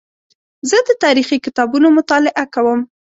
زه د تاریخي کتابونو مطالعه کوم.